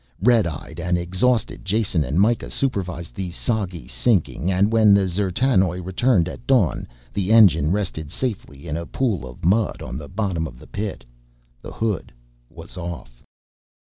Red eyed and exhausted Jason and Mikah supervised the soggy sinking and when the D'zertanoj returned at dawn the engine rested safely in a pool of mud on the bottom of the pit: the hood was off.